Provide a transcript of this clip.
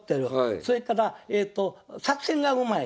それからえと作戦がうまい。